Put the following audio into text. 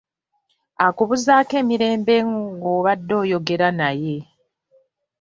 Akubuzaako emirembe ng'obadde oyogera naye